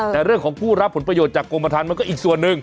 แต่เรื่องของผู้รับผลประโยชน์จากกรมฐานมันก็อีกส่วนหนึ่ง